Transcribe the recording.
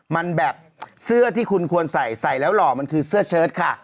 มันแบบเสื้อที่คุณควรใส่ใส่แล้วหล่อมันคือเสื้อเชิดค่ะ